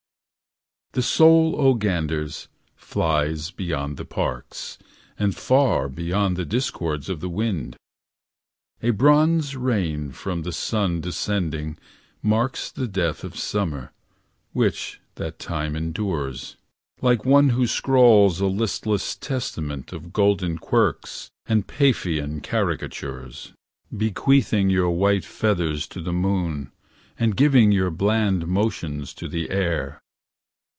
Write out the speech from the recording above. The soul, 0 ganders, flies beyond the parks And far beyond the discords of the wind. A bronze rain from the sun descending marks The death of summer, which that time endures Like one who scrawls a listless testament Of golden quirks and Paphian caricatures. Bequeathing your white feathers to the moon And giving your bland motions to the air.